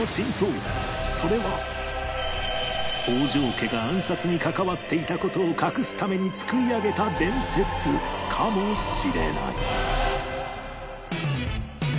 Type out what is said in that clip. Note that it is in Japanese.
それは北条家が暗殺に関わっていた事を隠すために作り上げた伝説かもしれない